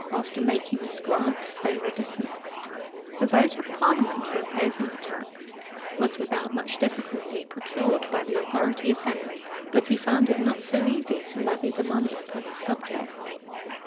After making this grant, they were dismissed. {1497.} The vote of parliament for imposing the tax was without much difficulty procured by the authority of Henry but he found it not so easy to levy the money upon his subjects.